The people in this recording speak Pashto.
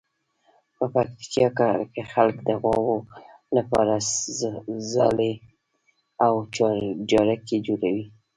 په پکتیکا کې خلک د غواوو لپاره څالې او جارګې جوړوي.